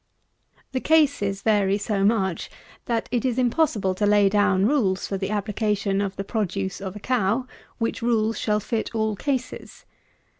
114. The cases vary so much, that it is impossible to lay down rules for the application of the produce of a cow, which rules shall fit all cases.